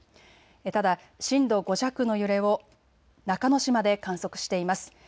ただ、震度５弱の揺れを中之島で観測しています。